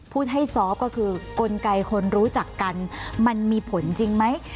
พูดให้ซอฟต์ก็คือกลไกคนรู้จักกันมันมีผลจริงไหม